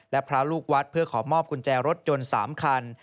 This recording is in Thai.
และพระลูกวัดเพื่อขอมอบกุญแจรถยนต์๓คัน